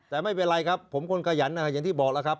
แต่ไม่เป็นไรครับผมคนขยันอย่างที่บอกแล้วครับ